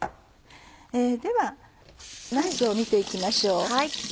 ではなすを見て行きましょう。